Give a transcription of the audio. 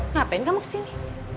ngapain kamu kesini